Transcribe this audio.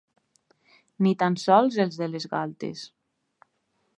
Ni tan sols els de les galtes.